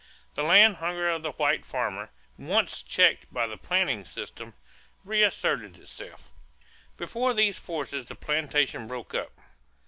The land hunger of the white farmer, once checked by the planting system, reasserted itself. Before these forces the plantation broke up.